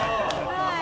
はい。